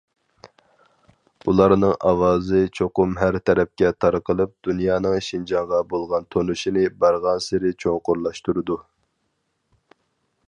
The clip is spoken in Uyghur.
ئۇلارنىڭ ئاۋازى چوقۇم ھەر تەرەپكە تارقىلىپ، دۇنيانىڭ شىنجاڭغا بولغان تونۇشىنى بارغانسېرى چوڭقۇرلاشتۇرىدۇ.